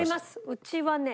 うちはね